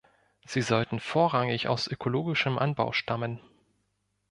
Sie sollten vorrangig aus ökologischem Anbau stammen.